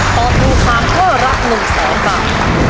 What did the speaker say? ตอบถูก๓ข้อรับ๑๐๐๐๐บาท